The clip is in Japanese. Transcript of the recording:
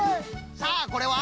さあこれは。